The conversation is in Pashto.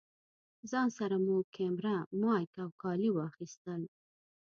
ځان سره مو کېمره، مايک او کالي واخيستل.